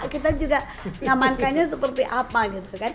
kita juga ngamankannya seperti apa gitu kan